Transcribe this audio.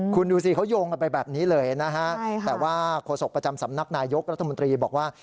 คุณดูสิเขาโยงกันไปแบบนี้เลยนะฮะแต่ว่าโฆษกประจำสำนักนายยกรัฐมนตรีบอกว่า